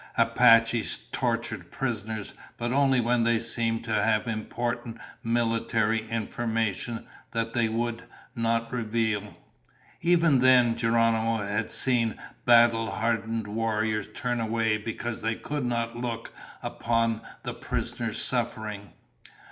Apaches tortured prisoners, but only when they seemed to have important military information that they would not reveal. Even then, Geronimo had seen battle hardened warriors turn away because they could not look upon the prisoner's suffering.